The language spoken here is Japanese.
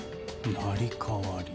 成り代わり。